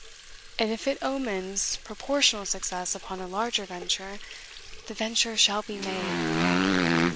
and if it omens proportional success upon a larger venture, the venture shall be made.